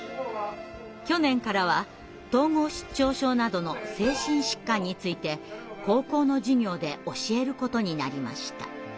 去年からは統合失調症などの精神疾患について高校の授業で教えることになりました。